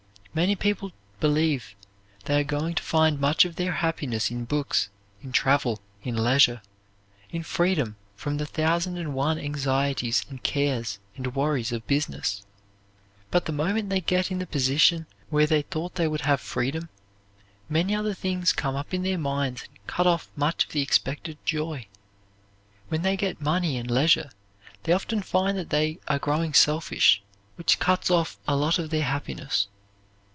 Many people believe they are going to find much of their happiness in books, in travel, in leisure, in freedom from the thousand and one anxieties and cares and worries of business; but the moment they get in the position where they thought they would have freedom many other things come up in their minds and cut off much of the expected joy. When they get money and leisure they often find that they are growing selfish, which cuts off a lot of their happiness.